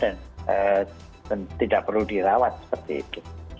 dan tidak perlu dirawat seperti itu